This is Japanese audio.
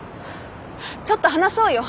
ちょっと話そうよ。